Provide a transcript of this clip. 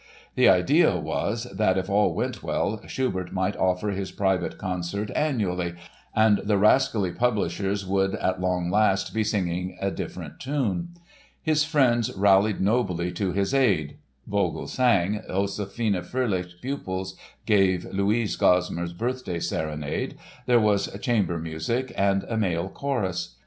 The idea was that if all went well Schubert might offer his private concert annually and the rascally publishers would at long last be singing a different tune. His friends rallied nobly to his aid. Vogl sang, Josefine Fröhlich's pupils gave Luise Gosmar's birthday serenade, there was chamber music and a male chorus.